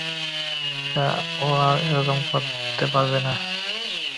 আচ্ছা, ও আর এরকম করতে পারবে না।